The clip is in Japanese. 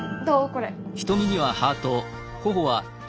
これ。